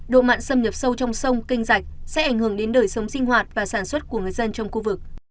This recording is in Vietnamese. độ mặn xâm nhập sâu trong sông kênh rạch sẽ ảnh hưởng đến đời sống sinh hoạt và sản xuất của người dân trong khu vực